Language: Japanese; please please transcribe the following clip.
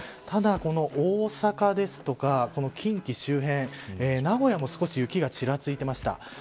ただ、この大阪ですとか近畿周辺名古屋も少し雪がちらついていました。